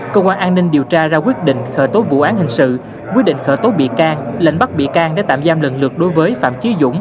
cơ quan an ninh điều tra ra quyết định khởi tố vụ án hình sự quyết định khởi tố bị can lệnh bắt bị can để tạm giam lần lượt đối với phạm chí dũng